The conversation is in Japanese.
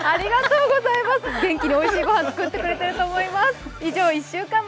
元気においしいごはん、作ってくれてると思います。